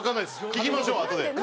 聞きましょうあとで。